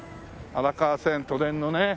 荒川線都電のねえ。